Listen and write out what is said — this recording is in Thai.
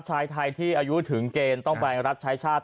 ชายไทยที่อายุถึงเกณฑ์ต้องไปรับใช้ชาติ